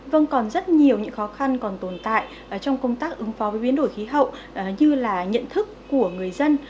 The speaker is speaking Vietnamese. vâng còn rất nhiều những khó khăn còn tồn tại trong công tác ứng phó với biến đổi khí hậu như là nhận thức của người dân